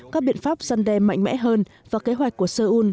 các biện pháp săn đe mạnh mẽ hơn và kế hoạch của seoul